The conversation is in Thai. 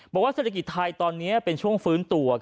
บอกว่าเศรษฐกิจไทยตอนนี้เป็นช่วงฟื้นตัว